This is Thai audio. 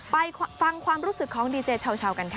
ไปฟังความรู้สึกของดีเจเช้ากันค่ะ